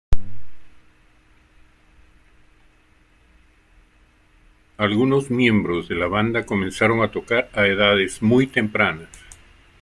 Algunos miembros de la banda comenzaron a tocar a edades muy tempranas.